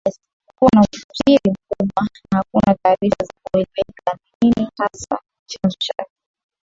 kuwa na usiri mkubwa na hakuna taarifa za kueleweka ni nini hasa chanzo chake